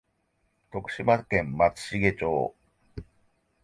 徳島県松茂町